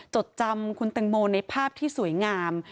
จดจำคุณแตงโมในภาพที่สวยงาม